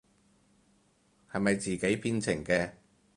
係咪自己編程嘅？